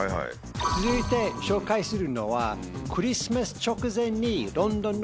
続いて紹介するのは。